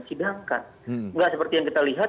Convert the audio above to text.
sidangkan nggak seperti yang kita lihat